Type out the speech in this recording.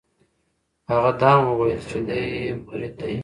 هغه دا هم وویل چې دی یې مرید دی.